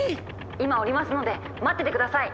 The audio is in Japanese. ・今降りますので待ってて下さい。